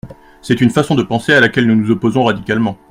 C’est une façon de penser à laquelle nous nous opposons radicalement.